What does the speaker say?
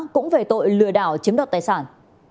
cũng về tội lừa đảo chiếm đọt tài sản